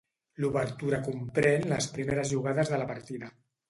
L'obertura comprén les primeres jugades de la partida.